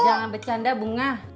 jangan bercanda bunga